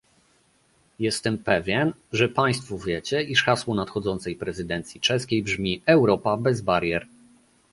Jestem pewien, że państwo wiecie, iż hasło nadchodzącej prezydencji czeskiej brzmi "Europa bez barier"